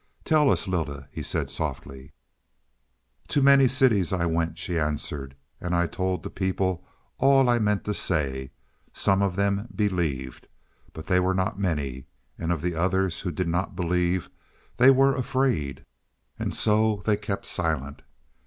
"Tell us Lylda," he said softly. "To many cities I went," she answered. "And I told the people all I meant to say. Some of them believed. But they were not many, and of the others who did not believe, they were afraid, and so kept they silent.